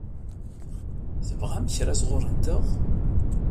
Tebɣam kra sɣur-nteɣ?